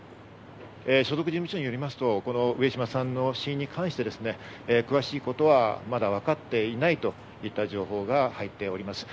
所属事務所によりますと、上島さんの死因に関して詳しいことはまだ分かっていないといった情報が入っております。